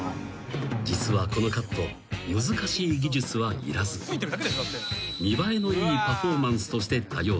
［実はこのカット難しい技術はいらず見栄えのいいパフォーマンスとして多用され］